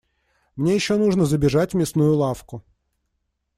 Мне ещё нужно забежать в мясную лавку.